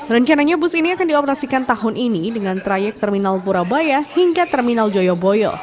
rencananya bus ini akan dioperasikan tahun ini dengan trayek terminal purabaya hingga terminal joyoboyo